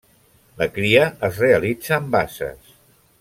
La cria es realitza en basses.